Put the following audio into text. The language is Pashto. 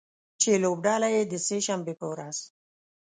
چې لوبډله یې د سې شنبې په ورځ